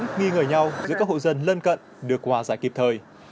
giúp giúp nghi ngờ nhau giữa các hộ dân lân cận được hòa giải kịp thời